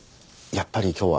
やっぱり今日は。